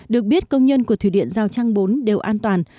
được biết công nhân của thủy điện giao trang bốn đều an toàn